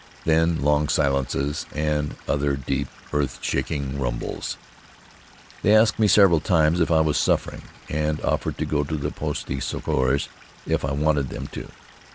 Then, long silences and other deep, earth shaking rumbles. They asked me, several times, if I was suffering, and offered to go on to the poste de secours if I wanted them to.